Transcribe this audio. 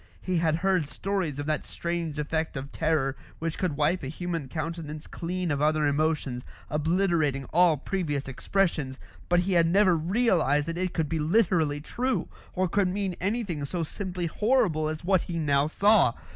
He had heard stories of that strange effect of terror which could wipe a human countenance clean of other emotions, obliterating all previous expressions; but he had never realised that it could be literally true, or could mean anything so simply horrible as what he now saw.